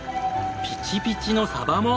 ピチピチのサバも！